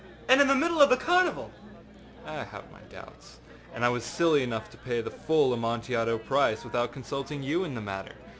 And in the middle of the carnival!â âI have my doubts,â I replied; âand I was silly enough to pay the full Amontillado price without consulting you in the matter.